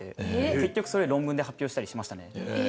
結局それ論文で発表したりしましたね。